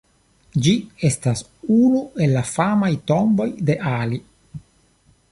Ĝi estas unu el la famaj tomboj de Ali.